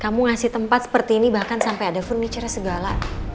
kamu ngasih tempat seperti ini bahkan sampai ada furniture segala